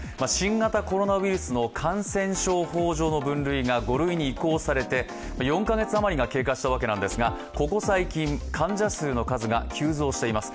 新型コロナウイルスの感染症法上の分類が５類に移行されて４か月あまりが経過したわけなんですがここ最近、患者の数が急増しています。